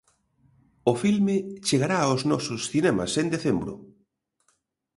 O filme chegará aos nosos cinemas en decembro.